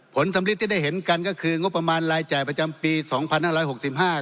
ผลสำลิดที่ได้เห็นกันก็คืองบประมาณรายจ่ายประจำปีสองพันห้าร้อยหกสิบห้า